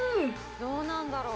どうなんだろう？